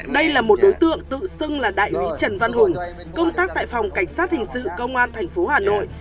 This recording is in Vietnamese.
đây là một đối tượng tự xưng là đại úy trần văn hùng công tác tại phòng cảnh sát hình sự công an tp hà nội